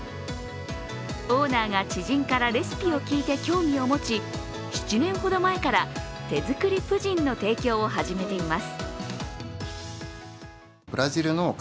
オーナーが知人からレシピを聞いて興味を持ち７年ほど前から手作りプヂンの提供を始めています。